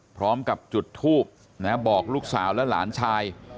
พร้อมกับจุดทูบบอกลูกสาวและหลานชาย